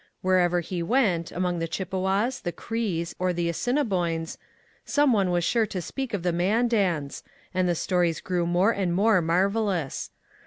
Wherever he went, among the Chippewas, the Crees, or the Assiniboines, some one was sure to speak of the Mandans, and the stories grew more and more marvellous.